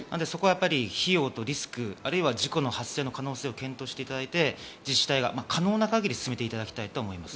費用とリスク、あるいは事故の発生の可能性を検討していただいて、自治体が可能な限り進めていただきたいと思います。